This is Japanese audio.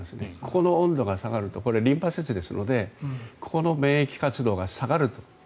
ここの温度が下がるとリンパ節ですのでここの免疫活動が下がると。